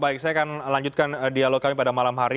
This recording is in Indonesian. baik saya akan lanjutkan dialog kami pada malam hari